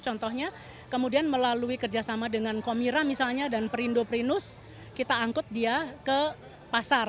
contohnya kemudian melalui kerjasama dengan komira misalnya dan perindo perinus kita angkut dia ke pasar